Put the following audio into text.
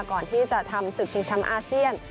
ก่อนที่จะทำศึกชิงแชมป์อาเซียน